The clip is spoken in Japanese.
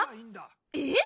えっ？